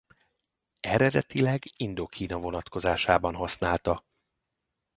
Eredetileg Indokína vonatkozásában használta.